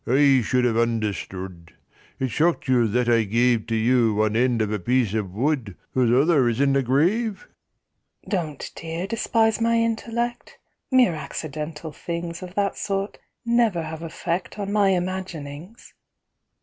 I should have understood! It shocked you that I gave To you one end of a piece of wood Whose other is in a grave?" "Don't, dear, despise my intellect, Mere accidental things Of that sort never have effect On my imaginings."